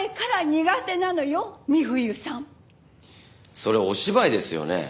それお芝居ですよね